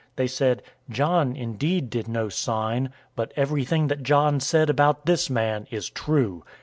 They said, "John indeed did no sign, but everything that John said about this man is true."